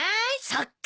そっか。